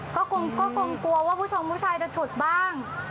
ก็คงกลัวว่าผู้ชมผู้ชายจะฉุดบ้าง